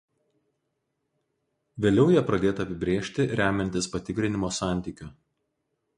Vėliau ją pradėta apibrėžti remiantis patikrinimo santykiu.